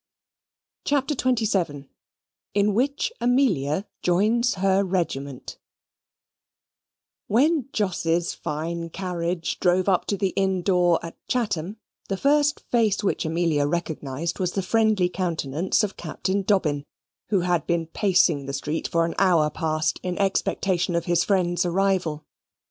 CHAPTER XXVII In Which Amelia Joins Her Regiment When Jos's fine carriage drove up to the inn door at Chatham, the first face which Amelia recognized was the friendly countenance of Captain Dobbin, who had been pacing the street for an hour past in expectation of his friends' arrival.